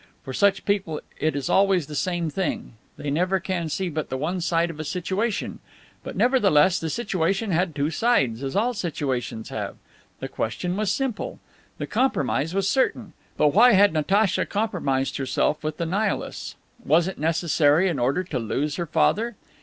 For such people it is always the same thing they never can see but the one side of the situation. But, nevertheless, the situation had two sides, as all situations have. The question was simple. The compromise was certain. But why had Natacha compromised herself with the Nihilists? Was it necessarily in order to lose her father?